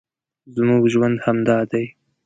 زموږ ژوند همدا دی